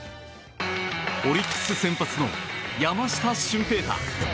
オリックス先発の山下舜平大。